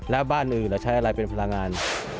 แล้วบ้านอื่นเราใช้อะไรเป็นพลังงาน